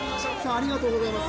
ありがとうございます。